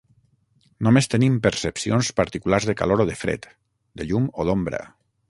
Només tenim percepcions particulars de calor o de fred, de llum o d'ombra.